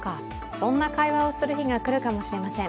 そんな会話をする日が来るかもしれません。